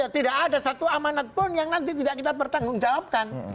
tidak ada satu amanat pun yang nanti tidak kita pertanggungjawabkan